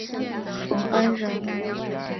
冯恩人。